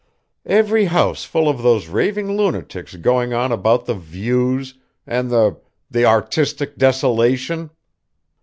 Every house full of those raving lunatics going on about the views, and the the artistic desolation!